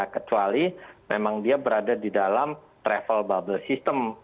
kecuali memang dia berada di dalam travel bubble system